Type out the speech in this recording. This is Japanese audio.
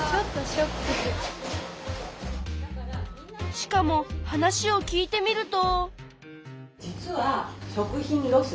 しかも話を聞いてみると。